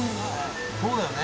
そうだよね。